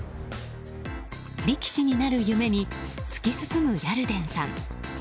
力士になる夢に突き進むヤルデンさん。